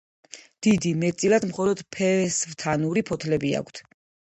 დიდი, მეტწილად მხოლოდ ფესვთანური ფოთლები აქვთ.